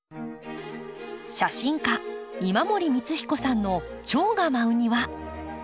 写真家今森光彦さんのチョウが舞う庭。